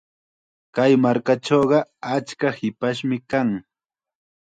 Kay markachawqa achka hipashmi kan.